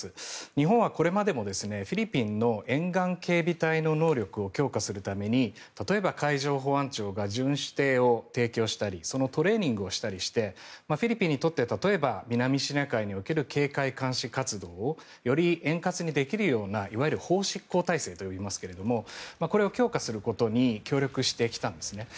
日本はこれまでもフィリピンの沿岸警備隊の能力を強化するために例えば、海上保安庁が巡視艇を提供したりそのトレーニングをしたりしてフィリピンにとって例えば南シナ海における警戒監視活動をより円滑にできるようないわゆる法執行体制と呼びますがこれを強化することに協力してきたんですね。